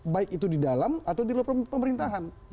baik itu di dalam atau di luar pemerintahan